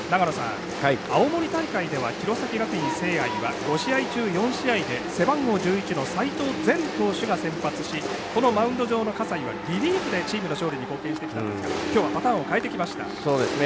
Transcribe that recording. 青森大会では弘前学院聖愛は５試合中４試合で背番号１１の齋藤禅投手が先発しマウンド上の葛西はリリーフでチームの勝利に貢献したそうですがきょうはパターンを変えてきました。